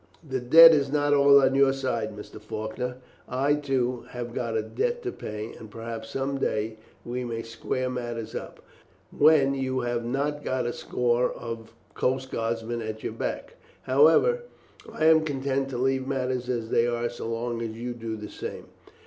"The debt is not all on your side, Mr. Faulkner. I, too, have got a debt to pay; and perhaps some day we may square matters up, when you have not got a score of coast guardsmen at your back. However, I am content to leave matters as they are so long as you do the same.